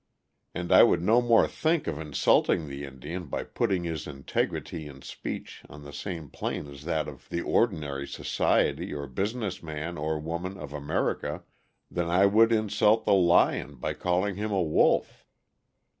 And I would no more think of insulting the Indian by putting his integrity in speech on the same plane as that of the ordinary society or business man or woman of America than I would insult the lion by calling him a wolf.